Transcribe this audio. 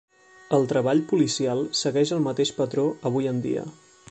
El treball policial segueix el mateix patró avui en dia.